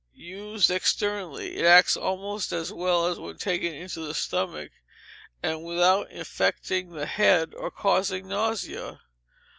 Used externally it acts almost as well as when taken into the stomach, and without affecting the head or causing nausea.